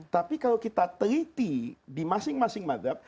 tapi kalau kita teliti di masing masing madhab